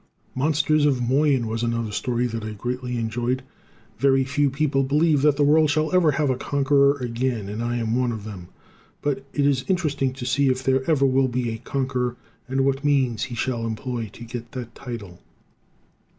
"Monsters of Moyen" was another story that I greatly enjoyed. Very few people believe that the world shall ever have a conqueror again, and I am one of them; but it is interesting to see if there ever will be a conqueror and what means he shall employ to get that title.